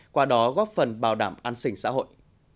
qua đó góp phần bảo đảm an sinh xã hội